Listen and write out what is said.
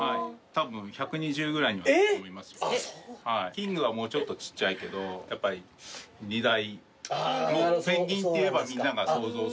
キングはもうちょっとちっちゃいけどやっぱり二大ペンギンっていえばみんなが想像するやつなので。